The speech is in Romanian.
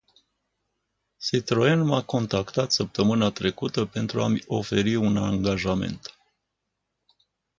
Citroen m-a contactat săptămâna trecută pentru a îmi oferi un angajament.